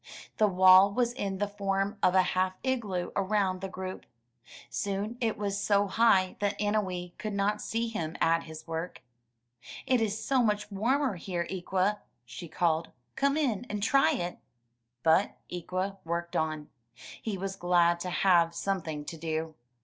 The wall was in the form of a half igloo around the group. Soon it was so high that Annowee could not see him at his work. *'It is so much warmer here, Ikwa/' she called; come in and try it.*' But Ikwa worked on. He was glad to have some thing to do.